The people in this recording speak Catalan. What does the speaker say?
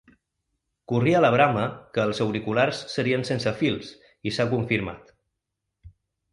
Corria la brama que els auriculars serien sense fils i s’ha confirmat.